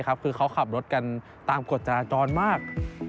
คือเขาขับรถกันตามกฎจราจรมาก